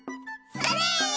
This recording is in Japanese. それ！